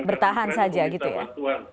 bertahan saja gitu ya